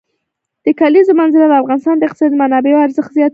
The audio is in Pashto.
د کلیزو منظره د افغانستان د اقتصادي منابعو ارزښت زیاتوي.